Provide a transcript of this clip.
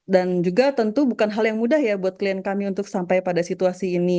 dan juga tentu bukan hal yang mudah ya buat klien kami untuk sampai pada situasi ini